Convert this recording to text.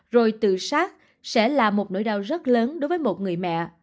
rồi tự sát sẽ là một nỗi đau rất lớn đối với một người mẹ